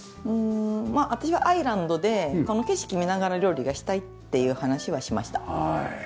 うん私はアイランドでこの景色見ながら料理がしたいっていう話はしました。